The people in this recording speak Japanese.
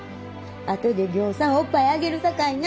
後でぎょうさんおっぱいあげるさかいな。